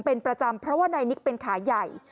เพราะว่านายนิกเป็นขายใหญ่